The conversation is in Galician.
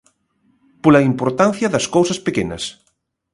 Pola importancia das cousas pequenas.